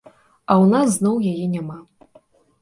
А ў нас зноў яе няма.